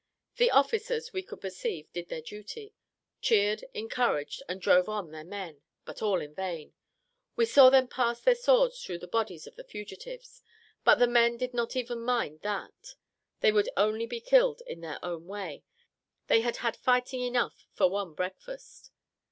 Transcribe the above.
The officers, we could perceive, did their duty cheered, encouraged, and drove on their men, but all in vain! We saw them pass their swords through the bodies of the fugitives; but the men did not even mind that they would only be killed in their own way they had had fighting enough for one breakfast.